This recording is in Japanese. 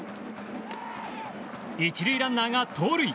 １塁ランナーが盗塁。